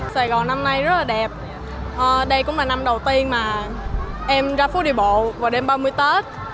sài gòn năm nay rất là đẹp đây cũng là năm đầu tiên mà em ra phố đi bộ vào đêm ba mươi tết